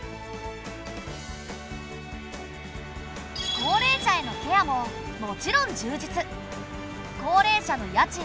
高齢者へのケアももちろん充実。